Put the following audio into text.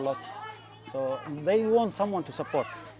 jadi mereka ingin ada seseorang untuk mendukung